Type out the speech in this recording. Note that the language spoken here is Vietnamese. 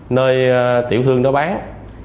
nơi tiểu thương đó bán